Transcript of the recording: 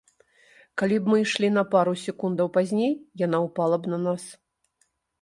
Калі б мы ішлі на пару секундаў пазней, яна ўпала б на нас!